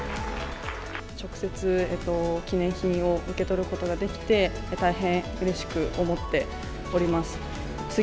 直接、記念品を受け取ることができて、大変うれしく思っております。